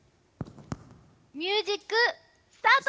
ミュージック、スタート！